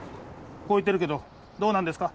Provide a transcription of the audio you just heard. こう言ってるけどどうなんですか？